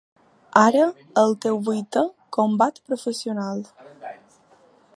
Era el teu vuitè combat professional.